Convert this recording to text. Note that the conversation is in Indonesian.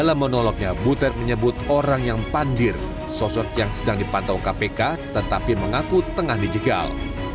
dalam menolongnya butet menyebut orang yang pandir sosok yang sedang dipantau kpk tetapi mengaku tengah dijegal